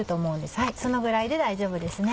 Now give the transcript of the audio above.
はいそのぐらいで大丈夫ですね。